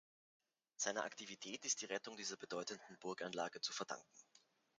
Seiner Aktivität ist die Rettung dieser bedeutenden Burganlage zu verdanken.